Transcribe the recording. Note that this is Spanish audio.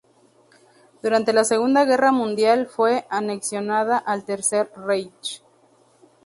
Durante la Segunda Guerra Mundial fue anexionada al Tercer Reich.